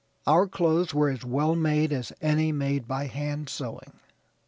Our clothes were as well made as any made by hand sewing.